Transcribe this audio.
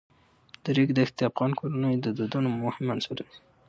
د ریګ دښتې د افغان کورنیو د دودونو مهم عنصر دی.